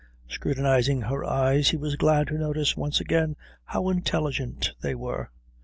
Scrutinizing her eyes he was glad to notice once again how intelligent they were.